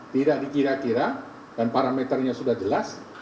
tidak dikira kira dan parameternya sudah jelas